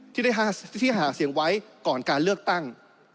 ที่ได้ที่หาเสียงไว้ก่อนการเลือกตั้ง